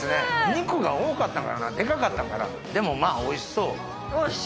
肉が多かったんかなでかかったんかなでもまあ美味しそうよーし！